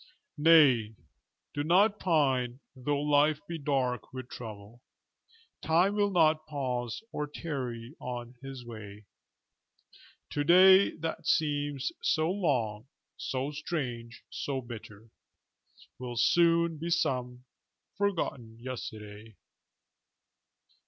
Nay, do not pine, tho' life be dark with trouble, Time will not pause or tarry on his way; To day that seems so long, so strange, so bitter, Will soon be some forgotten yesterday.